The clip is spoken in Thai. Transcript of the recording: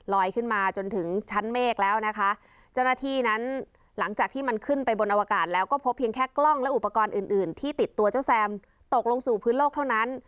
ขึ้นมาจนถึงชั้นเมฆแล้วนะคะเจ้าหน้าที่นั้นหลังจากที่มันขึ้นไปบนอวกาศแล้วก็พบเพียงแค่กล้องและอุปกรณ์อื่นอื่นที่ติดตัวเจ้าแซมตกลงสู่พื้นโลกเท่านั้น